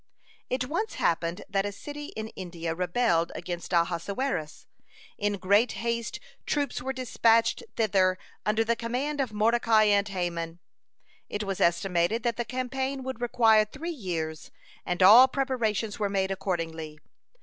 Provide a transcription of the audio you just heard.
It once happened that a city in India rebelled against Ahasuerus. In great haste troops were dispatched thither under the command of Mordecai and Haman. It was estimated that the campaign would require three years, and all preparations were made accordingly.